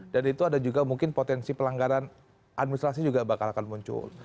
dan itu ada juga mungkin potensi pelanggaran administrasi juga bakal akan muncul